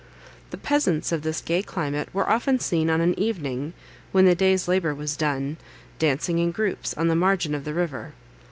The peasants of this gay climate were often seen on an evening, when the day's labour was done, dancing in groups on the margin of the river.